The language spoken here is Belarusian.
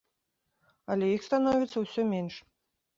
Але іх становіцца ўсё менш.